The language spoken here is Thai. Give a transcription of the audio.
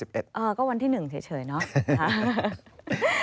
ก็วันที่๑เฉยเนาะ